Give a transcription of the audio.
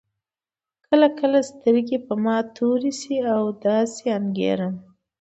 کله کله سترګې په ما تورې شي او داسې انګېرم.